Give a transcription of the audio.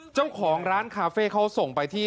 เจ้าของร้านคาเฟ่เขาส่งไปที่